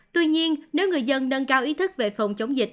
tuy nhiên nếu người dân nâng cao ý thức về phòng chống dịch